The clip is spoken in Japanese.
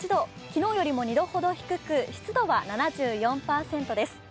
昨日よりも２度ほど低く湿度は７４％です。